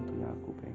ngomong masalah apa ya